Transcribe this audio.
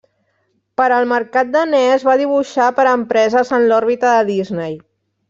Per al mercat danès va dibuixar per a empreses en l'òrbita de Disney.